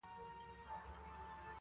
پروت په سترګو کي مي رنګ رنګ د نسو دی,